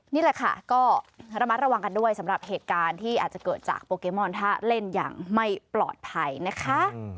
นี่แหละค่ะก็ระมัดระวังกันด้วยสำหรับเหตุการณ์ที่อาจจะเกิดจากโปเกมอนถ้าเล่นอย่างไม่ปลอดภัยนะคะ